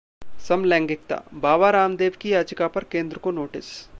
समलैंगिकताः बाबा रामदेव की याचिका पर केंद्र को नोटिस